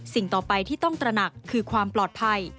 สิ่งต่อไปที่ต้องตระหนักคือความปลอดภัย